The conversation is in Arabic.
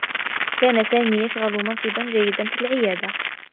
كان سامي يشغل منصبا جيّدا في العيادة.